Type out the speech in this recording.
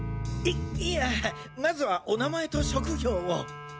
いいやまずはお名前と職業を。